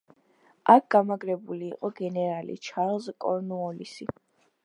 აქ გამაგრებული იყო გენერალი ჩარლზ კორნუოლისი.